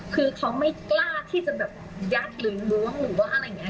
คือเขาไม่กล้าที่จะแบบยัดหรือล้วงหรือว่าอะไรอย่างนี้